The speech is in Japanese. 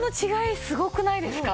すごくないですか？